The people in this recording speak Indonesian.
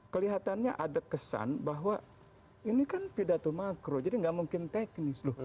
kelihatannya ada kesan bahwa ini kan pidato makro jadi nggak mungkin teknis loh